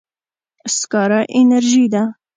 سکاره انرژي ده.